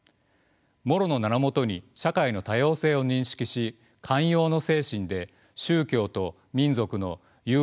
モロの名の下に社会の多様性を認識し寛容の精神で宗教と民族の融和と信頼の醸成を図る。